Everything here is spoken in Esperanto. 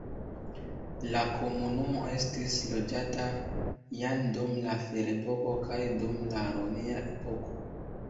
La komunumo estis loĝata jam dum la ferepoko kaj dum la romia epoko.